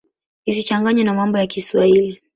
Isichanganywe na mambo ya Kiswahili.